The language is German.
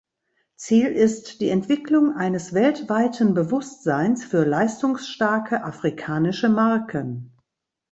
Ziel ist die Entwicklung eines weltweiten Bewusstseins für leistungsstarke afrikanische Marken.